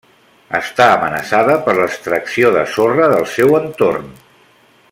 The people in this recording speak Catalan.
Està amenaçada per l'extracció de sorra del seu entorn.